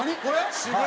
これ？